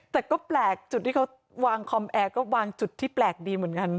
แต่ก็แปลกจุดที่เขาวางคอมแอร์ก็วางจุดที่แปลกดีเหมือนกัน